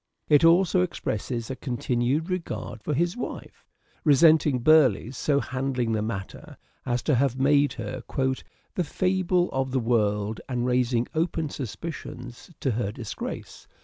It also expresses a continued regard for his wife ; resenting Burleigh's so handling the matter as to have made her " the fable of the world and raising open suspicions to her disgrace."